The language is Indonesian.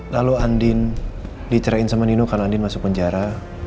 lalu andi dicerahin sama nino karena andi masuk penjara